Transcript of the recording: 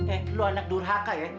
eh lu anak durhaka ya